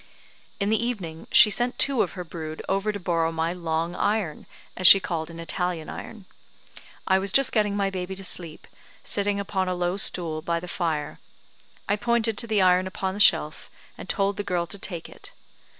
In the evening she sent two of her brood over to borrow my "long iron," as she called an Italian iron. I was just getting my baby to sleep, sitting upon a low stool by the fire. I pointed to the iron upon the shelf, and told the girl to take it.